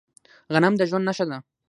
غنم د ژوند نښه ده.